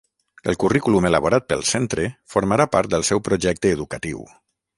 El currículum elaborat pel centre formarà part del seu projecte educatiu.